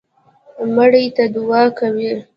مړي ته دعا کوئ